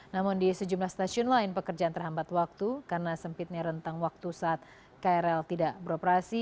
namun di sejumlah stasiun lain pekerjaan terhambat waktu karena sempitnya rentang waktu saat krl tidak beroperasi